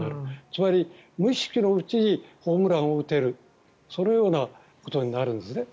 つまり、無意識のうちにホームランを打てるそのようなことになるんですね。